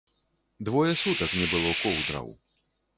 Двое сутак не было коўдраў.